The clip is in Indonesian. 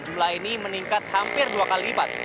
jumlah ini meningkat hampir dua kali lipat